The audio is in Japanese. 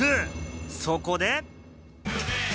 そこで。